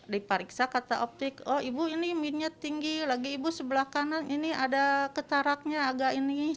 di periksa kata optik oh ibu ini minyak tinggi lagi ibu sebelah kanan ini ada kataraknya agak ini